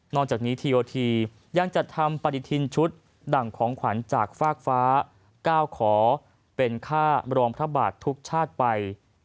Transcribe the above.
จากนี้ทีโอทียังจัดทำปฏิทินชุดดั่งของขวัญจากฟากฟ้า๙ขอเป็นค่ารองพระบาททุกชาติไป